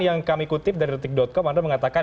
yang kami kutip dari detik com anda mengatakan